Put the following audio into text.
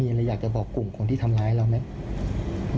อะไรอยากจะบอกกลุ่มคนที่ทำร้ายเราไหม